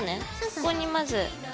ここにまず。